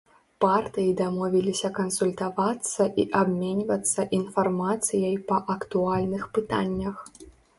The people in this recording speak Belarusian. Партыі дамовіліся кансультавацца і абменьвацца інфармацыяй па актуальных пытаннях.